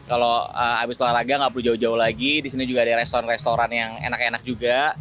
kalau habis olahraga nggak perlu jauh jauh lagi di sini juga ada restoran restoran yang enak enak juga